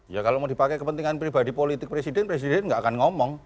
ya kalau mau dipakai kepentingan pribadi politik presiden presiden nggak akan ngomong